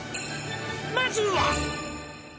「まずは！」